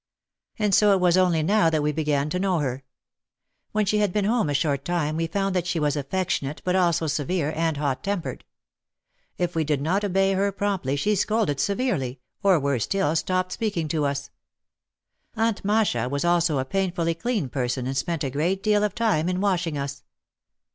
And so it was only now that we began to know her. When she had been home a short time we found that she was affectionate, but also severe, and hot tempered. If we did not obey her promptly she scolded severely, or worse still, stopped speaking to us. Aunt Masha was also a painfully clean person and spent a great deal of time in washing us.